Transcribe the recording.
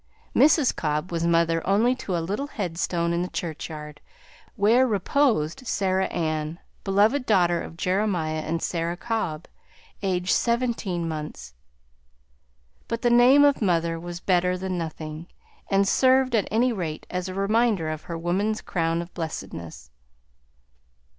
Mrs. Cobb was mother only to a little headstone in the churchyard, where reposed "Sarah Ann, beloved daughter of Jeremiah and Sarah Cobb, aged seventeen months;" but the name of mother was better than nothing, and served at any rate as a reminder of her woman's crown of blessedness.